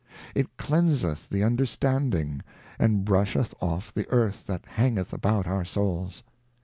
It cleanseth the Understanding, and brusheth off the Earth that hangeth about our Souls.